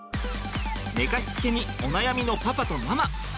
寝かしつけにお悩みのパパとママ！